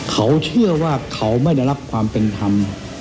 เขาเชื่อว่าเขาไม่ได้รับความเป็นธรรม